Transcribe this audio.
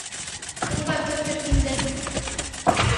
Унда кемдер килде!